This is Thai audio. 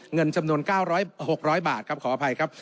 เงินจำนวน๙๖๐๐บาทครับขออภัยครับ